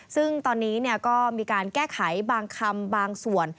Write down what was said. ซึ่งตอนนี้ก็มีการแก้ไขบางคำบางส่วน